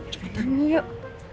coba tangi yuk